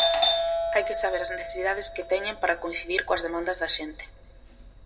Hai que saber as necesidades que teñen para coincidir coas demandas da xente.